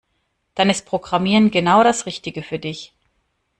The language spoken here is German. Dann ist Programmieren genau das Richtige für dich.